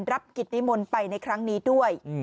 รับกิจนิมนต์ไปในครั้งนี้ด้วย